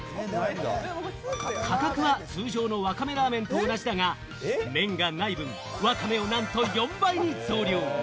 価格は通常のわかめラーメンと同じだが、麺がない分、わかめをなんと４倍に増量！